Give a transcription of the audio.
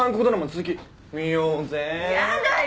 やだよ！